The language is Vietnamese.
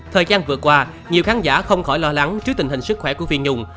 thời gian vừa qua nhiều khán giả không khỏi lo lắng trước tình hình sức khỏe của phi nhung